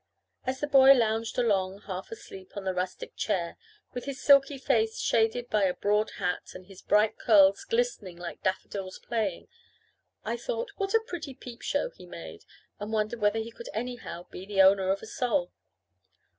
As the boy lounged along, half asleep, on the rustic chair, with his silky face shaded by a broad hat, and his bright curls glistening like daffodils playing, I thought what a pretty peep show he made, and wondered whether he could anyhow be the owner of a soul.